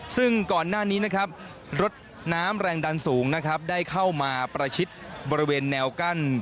ซึ่งก่อนหน้านี้นะครับรถน้ำแรงดันสูงนะครับได้เข้ามาประชิดบริเวณแนวกั้น